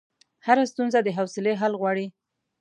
هره ستونزه د حوصلې حل غواړي.